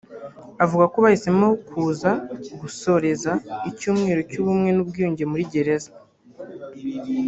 Avuga ko bahisemo kuza gusoreza icyumweru cy’ubumwe n’ubwiyunge muri gereza